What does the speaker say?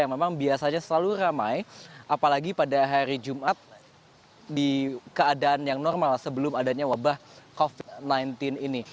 yang memang biasanya selalu ramai apalagi pada hari jumat di keadaan yang normal sebelum adanya wabah covid sembilan belas ini